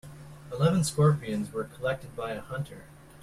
Eleven scorpions were collected by a hunter.